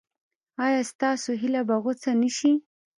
ایا ستاسو هیله به غوڅه نشي؟